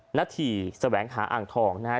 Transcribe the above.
หน้าถี่แสวงหาอ่างทองนะฮะ